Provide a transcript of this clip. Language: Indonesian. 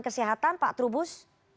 kesehatan pak trubus